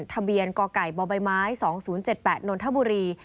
ทะเบียนกกบม๒๐๗๘นนทบุรี